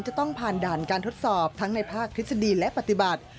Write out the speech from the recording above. จะต้องผ่านด่านการทดสอบทั้งในภาคทฤษฎีและปฏิบัติ